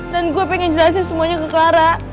dan gue pengen jelasin semuanya ke clara